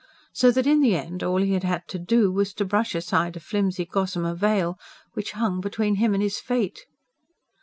So that, in the end, all he had had to do was to brush aside a flimsy gossamer veil, which hung between him and his fate.